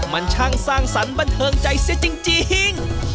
มันช่างสร้างสรรค์บันเทิงใจเสียจริง